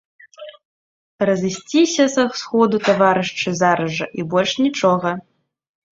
Разысціся са сходу, таварышы, зараз жа, і больш нічога!